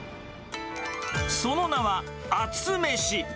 その名は、アツめし。